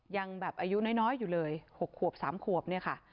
ยังแบบอายุน้อยอยู่เลย๖ขวบ๓ขวบเนี่ยค่ะ